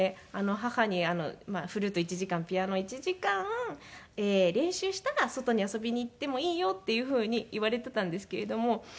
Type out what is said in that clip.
母にフルート１時間ピアノ１時間練習したら外に遊びに行ってもいいよっていうふうに言われていたんですけれども。